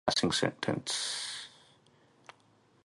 Downing allowed these facts to influence him in passing sentence.